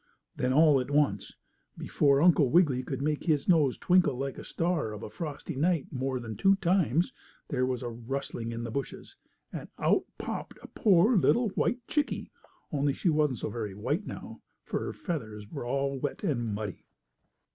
Then, all at once, before Uncle Wiggily could make his nose twinkle like a star of a frosty night more than two times, there was a rustling in the bushes, and out popped a poor, little white chickie only she wasn't so very white now, for her feathers were all wet and muddy.